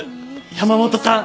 山本さん！